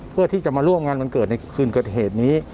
เพื่อที่จะมาร่วมงานวันเกิดในคืนเกิดเหตุนี้